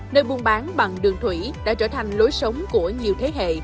nơi buôn bán bằng đường thủy đã trở thành lối sống của nhiều thế hệ